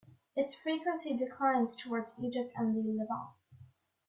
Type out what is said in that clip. Its frequency declines towards Egypt and the Levant.